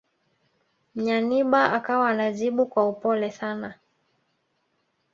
Nyanibah akawa anajibu kwa upole sana